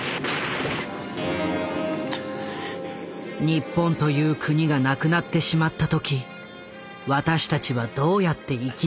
日本という国がなくなってしまった時私たちはどうやって生き延びるのか。